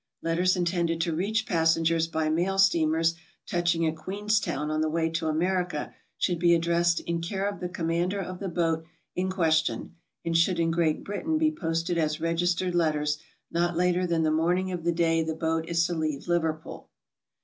Letters intended to reach passengers by mail steamers touching at Queenstown on the way to America, should be addressed "in care of the commander" of the boat in ques tion, and should in Great Britain be posted as registered let ters not later than the morning of the day the boat is to leave Liverpool.